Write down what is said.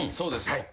はい。